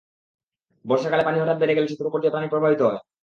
বর্ষাকালে পানি হঠাৎ বেড়ে গেলে সেতুর ওপর দিয়ে পানি প্রবাহিত হয়।